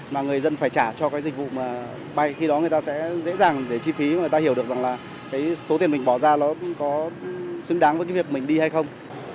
mà người dân phải trả cho cái dịch vụ mà bay khi đó người ta sẽ dễ dàng để chi phí mà người ta hiểu được rằng là cái số tiền mình bỏ ra nó cũng có xứng đáng với cái việc mình đi hay không